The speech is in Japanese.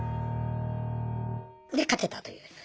で勝てたというような。